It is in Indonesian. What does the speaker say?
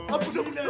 apu dah buka